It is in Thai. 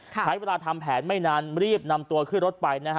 ใช้เวลาทำแผนไม่นานรีบนำตัวขึ้นรถไปนะฮะ